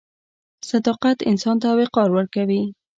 • صداقت انسان ته وقار ورکوي.